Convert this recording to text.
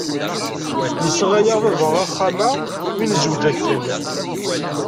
Yesɣa-yaɣ baba axxam-a mi nezweǧ akken.